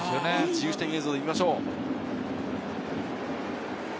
自由視点映像を見ましょう。